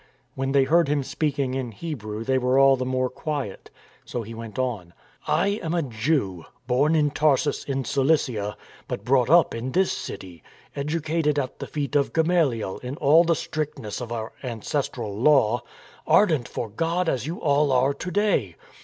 When they heard him speaking in Hebrew they were all the more quiet. So he went on. " I am a Jew, born in Tarsus in Cilicia, but brought up in this city, educated at the feet of Gamaliel in all the strictness of our ancestral Law, ardent for God as you all are to day.